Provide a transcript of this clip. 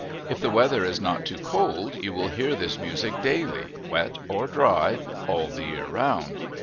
If the weather is not too cold you will hear this music daily, wet or dry, all the year round.